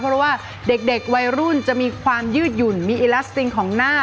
เพราะว่าเด็กเด็กวัยรุ่นจะมีความยืดหยุ่นมีของหน้า